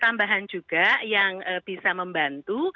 tambahan juga yang bisa membantu